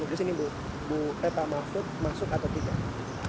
bu disini bu bu peta mahfud masuk atau tidak